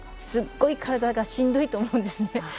すごい体がしんどいと思うんですね。